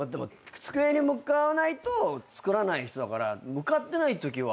机に向かわないと作らない人だから向かってないときは。